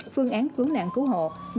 phương án cứu nạn cứu hồn